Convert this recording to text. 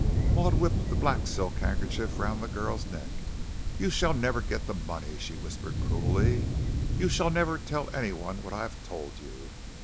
Maud whipped the black silk handkerchief round the girl's neck. "You shall never get that money," she whispered cruelly, "you shall never tell anyone what I have told you.